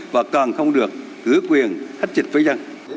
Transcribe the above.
và còn không được giữ quyền hắt chịch với dân